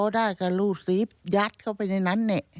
ได้แบบเปิดเสื้อคอได้ก็